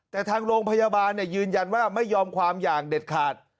แต่ทางโรงพยาบาลยืนยันว่าไม่ยอมความอย่างเด็ดขาด